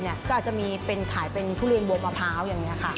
ก็อาจจะมีเป็นขายเป็นทุเรียนบัวมะพร้าวอย่างนี้ค่ะ